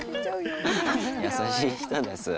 優しい人です。